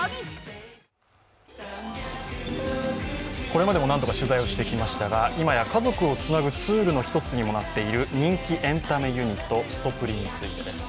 これまでも何度か取材してきましたが、今や家族をつなぐのツールの１つにもなっている人気エンタメユニット、すとぷりについてです。